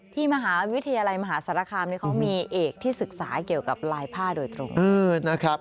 ที่มหาวิทยาลัยมหาสารคามเขามีเอกที่ศึกษาเกี่ยวกับลายผ้าโดยตรงนะครับ